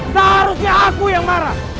seharusnya aku yang marah